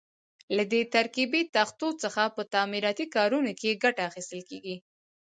له دې ترکیبي تختو څخه په تعمیراتي کارونو کې ګټه اخیستل کېږي.